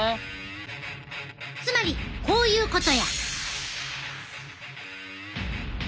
つまりこういうことや！